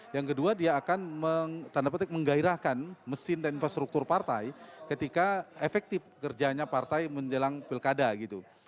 yang kedua dia akan tanda petik menggairahkan mesin dan infrastruktur partai ketika efektif kerjanya partai menjelang pilkada gitu